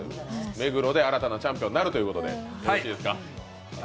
目黒で新たなチャンピオンになるということでよろしいですか。